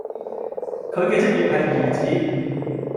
佢嘅職業係兒子